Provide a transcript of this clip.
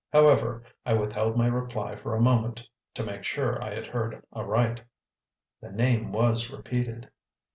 However, I withheld my reply for a moment to make sure I had heard aright. The name was repeated.